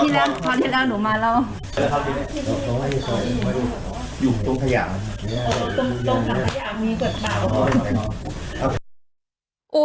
พอที่แล้วพอที่แล้วหนูมาแล้วอยู่ตรงขยะตรงตรงขยะมีเกิดปาก